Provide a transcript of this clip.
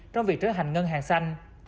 trong việc trở thành ngân hàng xanh